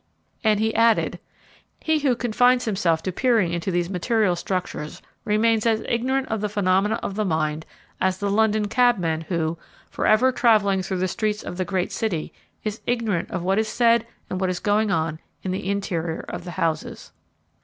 And, he added, "he who confines himself to peering into these material structures remains as ignorant of the phenomena of the mind as the London cabman who, for ever travelling through the streets of the great city, is ignorant of what is said and what is going on in the interior of the houses."